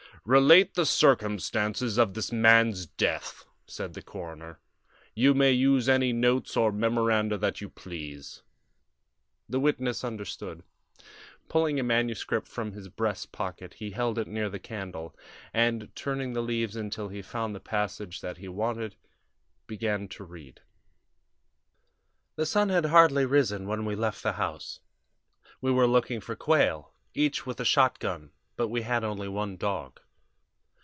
"Relate the circumstances of this man's death," said the coroner. "You may use any notes or memoranda that you please." The witness understood. Pulling a manuscript from his breast pocket he held it near the candle, and turning the leaves until he found the passage that he wanted, began to read. II "...The sun had hardly risen when we left the house. We were looking for quail, each with a shotgun, but we had only one dog.